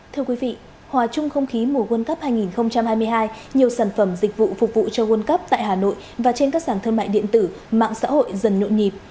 thưa quý vị hòa chung không khí mùa world cup hai nghìn hai mươi hai nhiều sản phẩm dịch vụ phục vụ cho world cup tại hà nội và trên các sản thương mại điện tử mạng xã hội dần nhộn nhịp